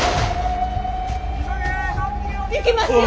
行きますよ！